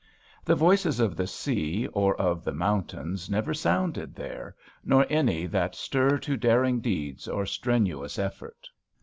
The voices of the sea or of the mountains never sounded there, nor any that stir to daring deeds or strenuous effort.